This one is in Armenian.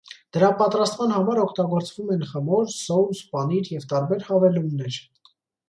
Դրա պատրաստման համար օգտագործվում են խմոր, սոուս, պանիր և տարբեր հավելումներ։